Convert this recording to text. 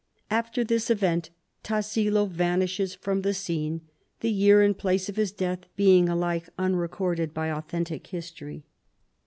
After this event Tassilo vanishes from the scene, the year and place of his death being alike unrecorded by authentic history.